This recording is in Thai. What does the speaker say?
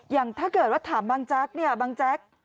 อย่างถ้าเกิดว่าถามบางแจ๊ก